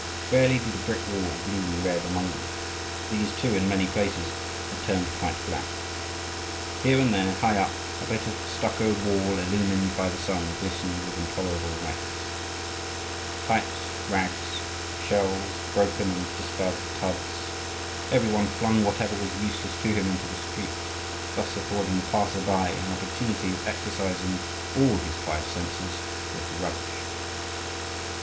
Rarely did a brick wall gleam red among them; for these too, in many places, had turned quite black. Here and there, high up, a bit of stuccoed wall illumined by the sun glistened with intolerable whiteness. Pipes, rags, shells, broken and discarded tubs: every one flung whatever was useless to him into the street, thus affording the passer by an opportunity of exercising all his five senses with the rubbish.